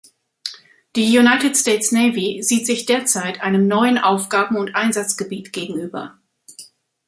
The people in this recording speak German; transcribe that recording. Die United States Navy sieht sich derzeit einem neuen Aufgaben- und Einsatzgebiet gegenüber.